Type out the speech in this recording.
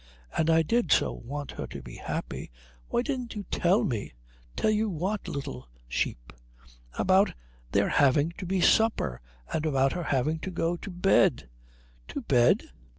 And I did so want her to be happy. Why didn't you tell me?" "Tell you what, little sheep?" "About there having to be supper, and about her having to go to bed." "To bed?"